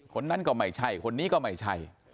คนนั้นก็ไม่ใช่คนนี้ก็ไม่ใช่